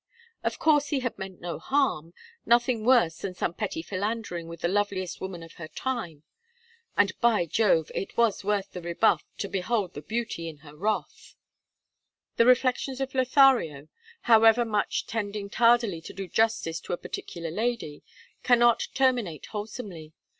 Of course he had meant no harm, nothing worse than some petty philandering with the loveliest woman of her time. And, by Jove! it was worth the rebuff to behold the Beauty in her wrath. The reflections of Lothario, however much tending tardily to do justice to a particular lady, cannot terminate wholesomely.